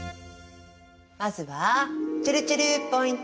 まずはちぇるちぇるポイント